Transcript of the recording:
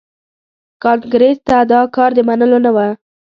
کانګریس ته دا کار د منلو نه و.